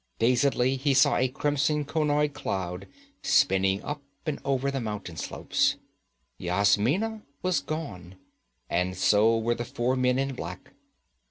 Dazedly he saw a crimson conoid cloud spinning up and over the mountain slopes. Yasmina was gone, and so were the four men in black.